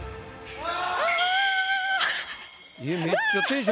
うわ。